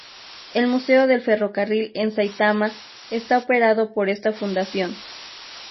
El Museo del Ferrocarril en Saitama está operado por esta fundación.